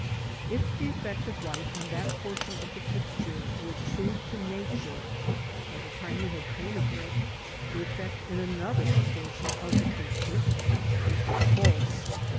If the effect of light on that portion of the picture were true to Nature, by the time you had painted it, the effect in another portion of the picture would be false.